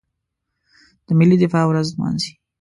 د ملي دفاع ورځ نمانځي.